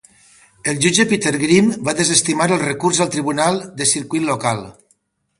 El jutge Peter Grimm va desestimar el recurs al tribunal de circuit local.